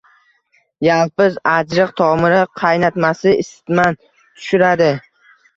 Yalpiz, ajriq tomiri qaynatmasi isitmani tushiradi.